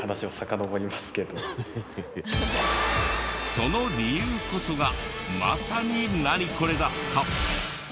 その理由こそがまさにナニコレだった。